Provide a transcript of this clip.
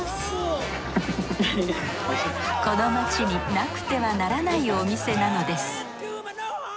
この街になくてはならないお店なのです